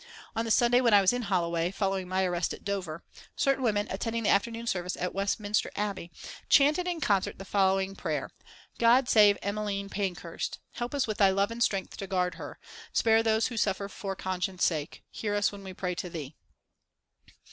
On the Sunday when I was in Holloway, following my arrest at Dover, certain women attending the afternoon service at Westminster Abbey, chanted in concert the following prayer: "God save Emmeline Pankhurst, help us with Thy love and strength to guard her, spare those who suffer for conscience' sake. Hear us when we pray to Thee."